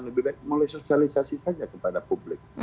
lebih baik melalui sosialisasi saja kepada publik